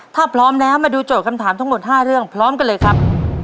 ถ้าพร้อมแล้วมาดูโจทย์คำถามทั้งหมด๕เรื่องพร้อมกันเลยครับ